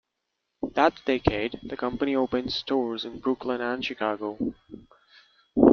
That decade the company opened stores in Brooklyn and Chicago.